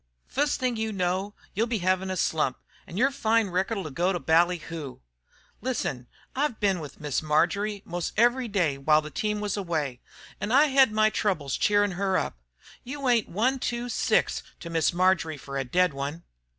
Fust thing you know, you'll be hevin' a slump, an' yer fine record'll go to bally hoo. Listen, I've been with Miss Marjory most every day while the team was away, an' I hed my troubles cheerin' her up. You ain't one two six to Miss Marjory fer a dead one!"